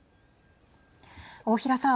大平さん。